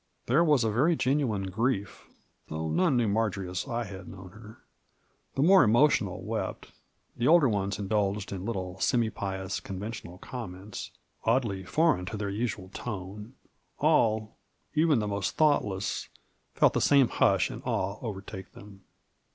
• There was a veiy genuine grief, though none knew Marjory as I had known her ; the more emotional wept, the older ones indulged in little semi pious conventional comments, oddly foreign to their usual tone ; all^ even the most thoughtless — ^felt the same hush and awe over take them.